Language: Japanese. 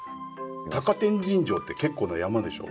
高天神城って結構な山でしょ？